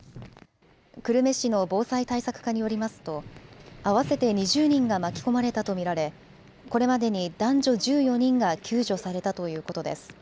久留米市の防災対策課によりますと合わせて２０人が巻き込まれたと見られこれまでに男女１４人が救助されたということです。